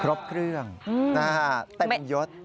ครบเครื่องเต็มยศ